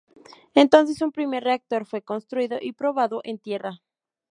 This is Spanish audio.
Entonces un primer reactor fue construido y probado en tierra.